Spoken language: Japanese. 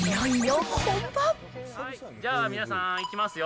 じゃあ皆さん、いきますよ。